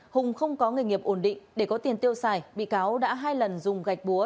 hùng không có nghề nghiệp ổn định để có tiền tiêu xài bị cáo đã hai lần dùng gạch búa